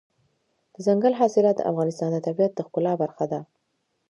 دځنګل حاصلات د افغانستان د طبیعت د ښکلا برخه ده.